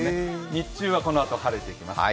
日中はこのあと晴れていきます。